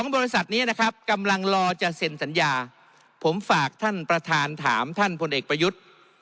บริษัทนี้นะครับกำลังรอจะเซ็นสัญญาผมฝากท่านประธานถามท่านพลเอกประยุทธ์